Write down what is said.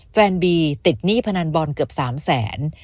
แฟนบีติดหนี้พนันบอลเกือบ๓แสน